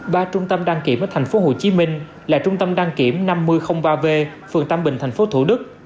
ba trung tâm đăng kiểm ở tp hcm là trung tâm đăng kiểm năm mươi ba v phường tam bình tp thủ đức